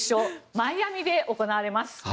マイアミで行われます。